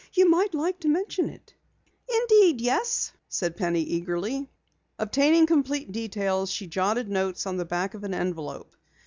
You might like to mention it." "Indeed, yes," said Penny eagerly. Obtaining complete details, she jotted notes on the back of an envelope.